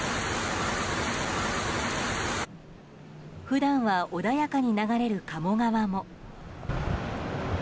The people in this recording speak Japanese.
普段は穏やかに流れる鴨川も。